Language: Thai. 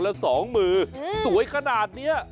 ละ๒มือสวยขนาดนี้